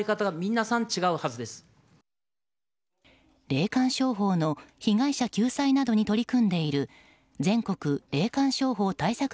霊感商法の被害者救済などに取り組んでいる全国霊感商法対策